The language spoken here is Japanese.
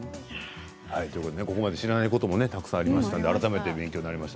ここまで知らないこともたくさんありましたので改めて勉強になりました。